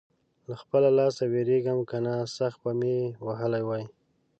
له خپله لاسه وېرېږم؛ که نه سخت به مې وهلی وې.